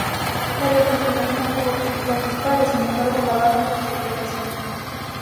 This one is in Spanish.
La representación obtuvo críticas dispares, sin embargo alabaron su interpretación.